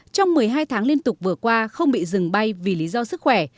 trong một mươi hai tháng liên tục vừa qua không bị dừng bay vì lý do sức khỏe